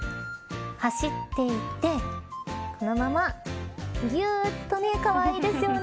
走って行ってこのままぎゅーっとかわいいですよね。